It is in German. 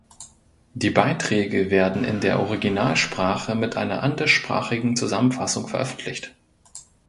Die Beiträge werden in der Originalsprache mit einer anderssprachigen Zusammenfassung veröffentlicht.